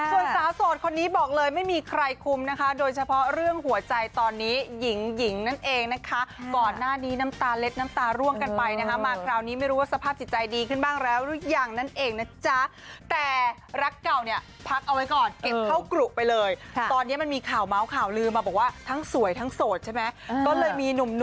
ส่วนสาวโสดคนนี้บอกเลยไม่มีใครคุมนะคะโดยเฉพาะเรื่องหัวใจตอนนี้หญิงหญิงนั่นเองนะคะก่อนหน้านี้น้ำตาเล็ดน้ำตาร่วงกันไปนะคะมาคราวนี้ไม่รู้ว่าสภาพจิตใจดีขึ้นบ้างแล้วหรือยังนั่นเองนะจ๊ะแต่รักเก่าเนี่ยพักเอาไว้ก่อนเก็บเข้ากรุไปเลยตอนนี้มันมีข่าวเมาส์ข่าวลือมาบอกว่าทั้งสวยทั้งโสดใช่ไหมก็เลยมีหนุ่ม